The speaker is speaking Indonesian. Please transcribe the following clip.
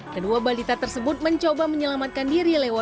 kedua bandita tersebut mencoba menyelamatkan diri lewat perjalanan